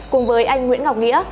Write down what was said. cùng với anh nguyễn ngọc nghĩa